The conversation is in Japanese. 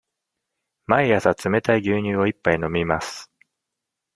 毎朝冷たい牛乳を一杯飲みます。